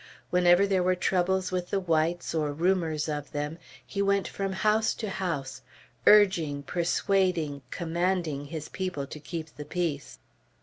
Whenever there were troubles with the whites, or rumors of them, he went from house to house, urging, persuading, commanding his people to keep the peace.